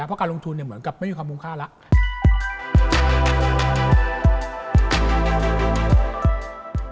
เพราะการลงทุนเหมือนกับไม่มีความคุ้มค่าแล้ว